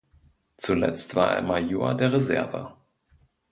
Zuletzt war er Major der Reserve.